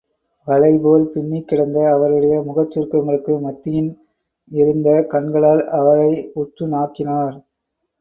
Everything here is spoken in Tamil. வலைபோல் பின்னிக் கிடந்த அவருடைய முகச் சுருக்கங்களுக்கு மத்தியின் இருந்த கண்களால் அவனை உற்று நாக்கினார்.